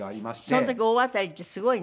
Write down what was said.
その時大当たりってすごいの？